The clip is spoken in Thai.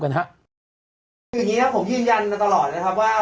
คืออย่างนี้ครับผมยืนยันมาตลอดนะครับว่า